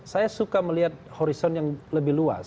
saya suka melihat horizon yang lebih luas